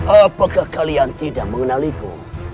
apakah kalian tidak mengenaliku